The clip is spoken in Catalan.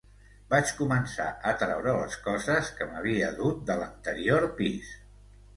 Vaig començar a traure les coses que m'havia dut de l'anterior pis.